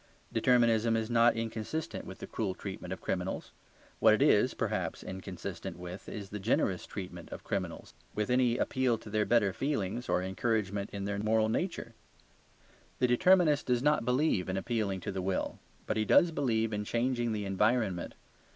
Determinism is not inconsistent with the cruel treatment of criminals. What it is (perhaps) inconsistent with is the generous treatment of criminals; with any appeal to their better feelings or encouragement in their moral struggle. The determinist does not believe in appealing to the will, but he does believe in changing the environment.